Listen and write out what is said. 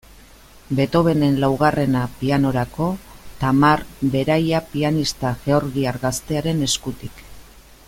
Beethovenen laugarrena, pianorako, Tamar Beraia pianista georgiar gaztearen eskutik.